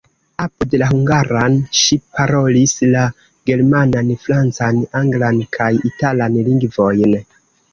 Apud la hungaran ŝi parolis la germanan, francan, anglan kaj italan lingvojn.